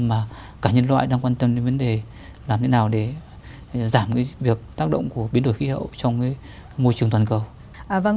mà cả nhân loại đang quan tâm đến vấn đề làm thế nào để giảm việc tác động của biến đổi khí hậu trong môi trường toàn cầu